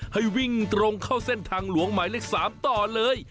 ให้วิ่งตรงเข้าเส้นทางหลวงหมายเลข๓ต่อเลย